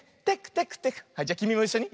はいじゃきみもいっしょに。